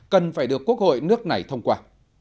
cần phải được quốc hội nước này thông qua